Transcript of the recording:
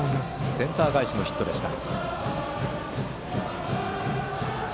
センター返しのヒットでした。